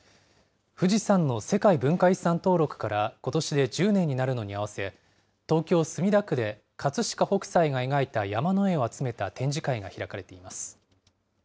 富士山の世界文化遺産登録からことしで１０年になるのにあわせ、東京・墨田区で葛飾北斎が描いた山の絵を集めた展示会が開かれています。